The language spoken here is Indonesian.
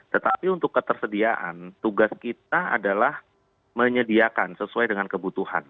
tetapi untuk ketersediaan tugas kita adalah menyediakan sesuai dengan kebutuhan